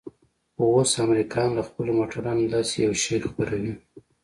خو اوس امريکايان له خپلو موټرانو داسې يو شى خپروي.